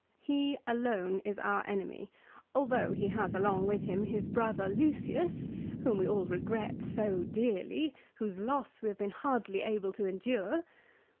He alone is our enemy, although he has along with him his brother Lucius, whom we all regret so dearly, whose loss we have hardly been able to endure